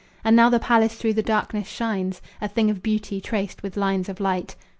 And now the palace through the darkness shines. A thing of beauty traced with lines of light.